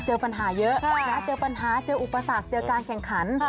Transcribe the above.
เจอปัญหาเยอะเจอปัญหาเจออุปสรรคเจอการแข่งขัน